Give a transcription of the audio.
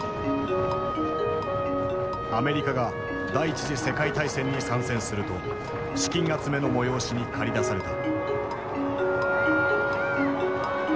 アメリカが第一次世界大戦に参戦すると資金集めの催しに駆り出された。